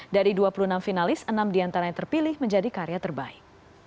dari dua puluh enam finalis enam diantara yang terpilih menjadi karya terbaik